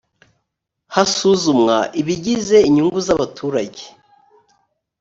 hasuzumwa ibigize inyungu z ‘abaturage.